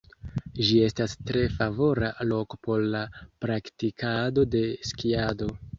Ĝi estas tre favora loko por la praktikado de skiado.